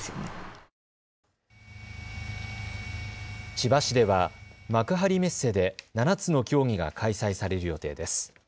千葉市では幕張メッセで７つの競技が開催される予定です。